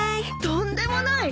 とんでもない！